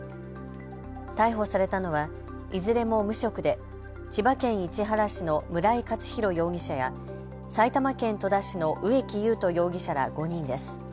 逮捕されたのはいずれも無職で千葉県市原市の村井勝宏容疑者や埼玉県戸田市の植木優斗容疑者ら５人です。